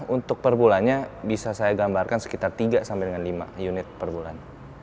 untuk perbulannya bisa saya gambarkan sekitar tiga sampai dengan lima unit perbulan